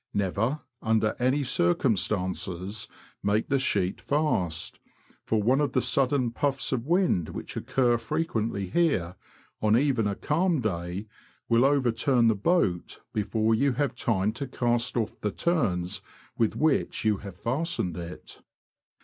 Never, under any circumstances, make the sheet fast, for one of the sudden puffs of wind which occur fre quently here, on even a calm day, will overturn the boat before you have time to cast off the turns with which you have fastened it.